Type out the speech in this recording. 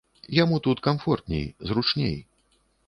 Яму тут камфортней, зручней.